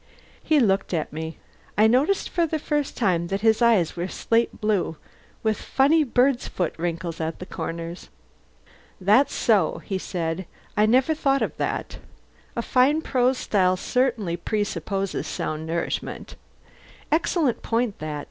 He looked at me. I noticed for the first time that his eyes were slate blue, with funny birds' foot wrinkles at the corners. "That's so," he said. "I never thought of that. A fine prose style certainly presupposes sound nourishment. Excellent point that...